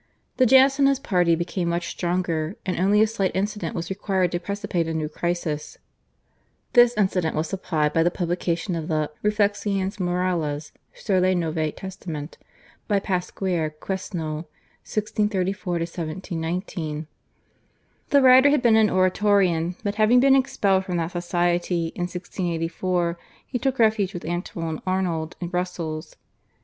The Jansenist party became much stronger, and only a slight incident was required to precipitate a new crisis. This incident was supplied by the publication of the /Reflexions Morales sur le Nouveau Testament/ by Pasquier Quesnel (1634 1719). The writer had been an Oratorian, but having been expelled from that society in 1684 he took refuge with Antoine Arnauld in Brussels.